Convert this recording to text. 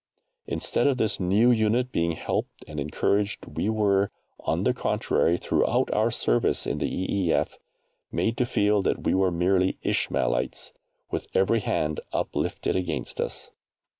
Instead of this new unit being helped and encouraged, we were, on the contrary, throughout our service in the E.E.F., made to feel that we were merely Ishmaelites, with every hand uplifted against us.